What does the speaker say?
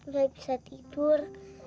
nggak bisa tidur